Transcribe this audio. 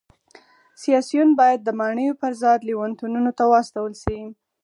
سیاسیون باید د ماڼیو پرځای لېونتونونو ته واستول شي